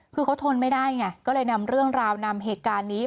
คือเขาทนไม่ได้ไงก็เลยนำเรื่องราวนำเหตุการณ์นี้